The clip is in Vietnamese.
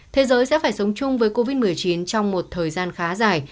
thế giới sẽ phải sống chung với covid một mươi chín trong một thời gian khá dài